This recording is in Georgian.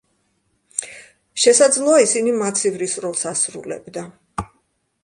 შესაძლოა, ისინი მაცივრის როლს ასრულებდა.